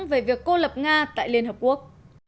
về việc cô lập nga tại liên hợp quốc